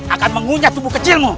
akan mengunyah tubuh kecilmu